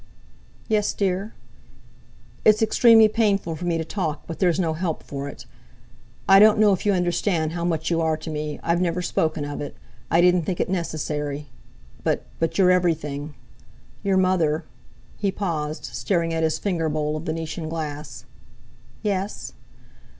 "Yes, dear?" "It's extremely painful for me to talk, but there's no help for it. I don't know if you understand how much you are to me I've never spoken of it, I didn't think it necessary; but—but you're everything. Your mother—" he paused, staring at his finger bowl of Venetian glass. "Yes?"'